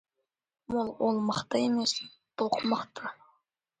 Оқ мықты емес, доқ мықты.